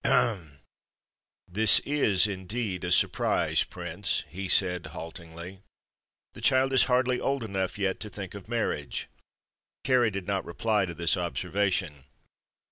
"Ahem! This is indeed a surprise, Prince," he said, haltingly. "The child is hardly old enough yet to think of marriage." Kāra did not reply to this observation.